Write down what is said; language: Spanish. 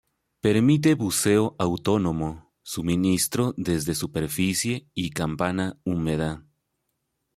Permite buceo autónomo, suministro desde superficie y campana húmeda.